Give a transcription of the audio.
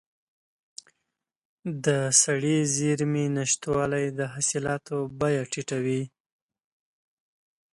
د سړې زېرمې نشتوالی د حاصلاتو بیه ټیټوي.